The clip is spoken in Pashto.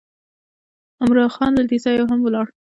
عمرا خان له دې ځایه هم ولاړ.